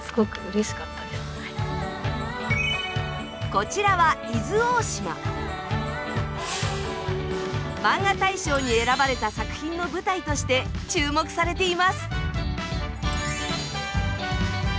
こちらはマンガ大賞に選ばれた作品の舞台として注目されています。